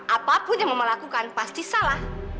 apapun yang mama lakukan pasti salah